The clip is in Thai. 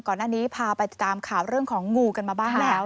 ก่อนหน้านี้พาไปติดตามข่าวเรื่องของงูกันมาบ้างแล้ว